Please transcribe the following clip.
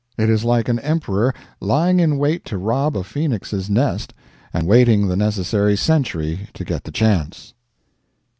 It is like an emperor lying in wait to rob a phenix's nest, and waiting the necessary century to get the chance.